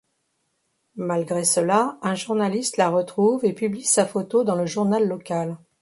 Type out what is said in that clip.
Malgré cela un journaliste la retrouve et publie sa photo dans le journal local.